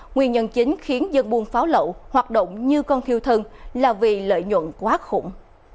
nguyên nhân chính khiến dân buôn pháo lậu hoạt động như con thiêu thân là vì lợi nhuận quá khủng